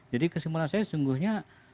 jadi kesimpulan saya